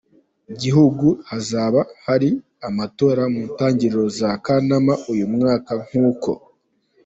gihugu hazaba hari amatora mu ntangiriro za Kanama uyu mwaka nk’uko